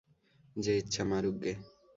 যে ইচ্ছা মারুক গে।